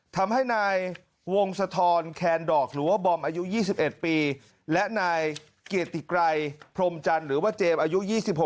ทำให้นายวงศธรแคนดอกหรือว่าบอมอายุ๒๑ปีและนายเกียรติไกรพรมจันทร์หรือว่าเจมส์อายุ๒๖